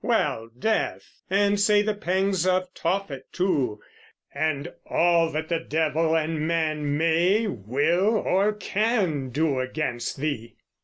Well, Death; and say the pangs of Tophet too, and all that the Devil and Man may, will, or can do against thee!